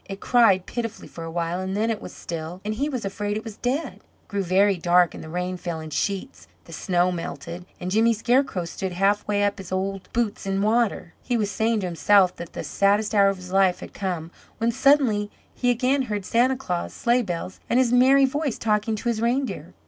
It cried pitifully for a while, and then it was still, and he was afraid it was dead. It grew very dark, and the rain fell in sheets, the snow melted, and Jimmy Scarecrow stood halfway up his old boots in water. He was saying to himself that the saddest hour of his life had come, when suddenly he again heard Santa Claus' sleigh bells and his merry voice talking to his reindeer.